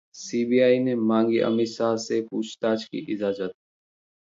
CBI ने मांगी अमित शाह से पूछताछ की इजाजत